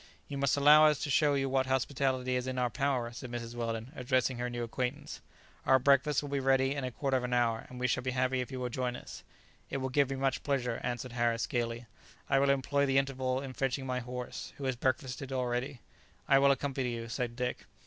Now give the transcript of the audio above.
"You must allow us to show you what hospitality is in our power," said Mrs. Weldon, addressing her new acquaintance; "our breakfast will be ready in a quarter of an hour, and we shall be happy if you will join us." "It will give me much pleasure," answered Harris, gaily; "I will employ the interval in fetching my horse, who has breakfasted already." "I will accompany you," said Dick.